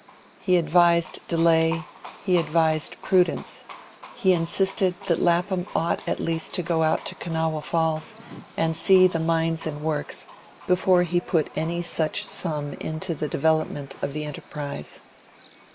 He advised delay, he advised prudence; he insisted that Lapham ought at least to go out to Kanawha Falls, and see the mines and works before he put any such sum into the development of the enterprise.